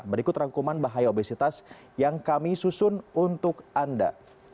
berikut rangkuman bahaya obesitas yang kami susun untuk anda